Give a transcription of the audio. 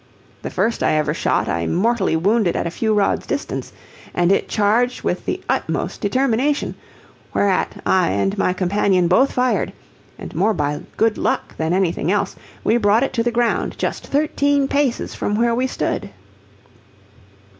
The first I ever shot I mortally wounded at a few rods' distance, and it charged with the utmost determination, whereat I and my companion both fired, and more by good luck than anything else brought it to the ground just thirteen paces from where we stood.